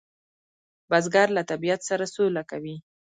بزګر له طبیعت سره سوله کوي